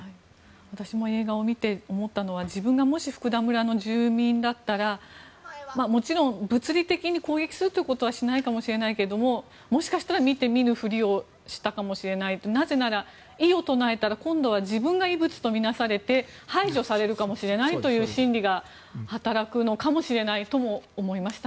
私も映画を見て思ったのは自分がもし福田村の住民だったらもちろん物理的に攻撃するということはしないかもしれないけどもしかしたら見て見ぬふりをしたかもしれないなぜなら、異を唱えたら今度は自分が異物とみなされて排除されるかもしれないという心理が働くのかもしれないとも思いました。